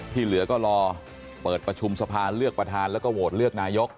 ที่เหลือก็รอเปิดประชุมสภาเลือกประธานแล้วก็โหวตเลือกนายก